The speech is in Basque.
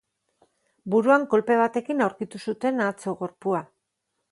Buruan kolpe batekin aurkitu zuten atzo gorpua.